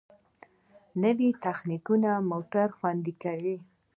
نوې تخنیکونه موټر خوندي کوي.